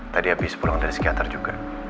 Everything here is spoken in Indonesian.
tadi habis pulang dari psikiater juga